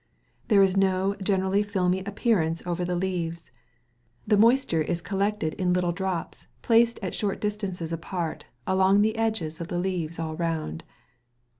There is no generally filmy appearance over the leaves; the moisture is collected in little drops placed at short distances apart, along the edges of the leaves all round.